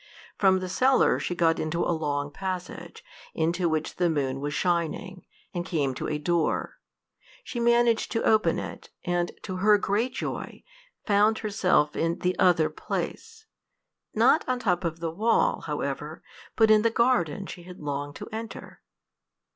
From the cellar she got into a long passage, into which the moon was shining, and came to a door. She managed to open it, and, to her great joy, found herself in the other place, not on the top of the wall, however, but in the garden she had longed to enter.